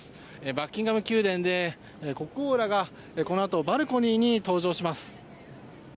バッキンガム宮殿で国王らが、このあとバルコニーに登場します。